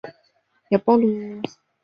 以下是阿尔巴尼亚航空公司的列表